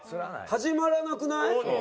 始まらなくない？